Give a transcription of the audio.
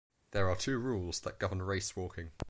There are two rules that govern racewalking.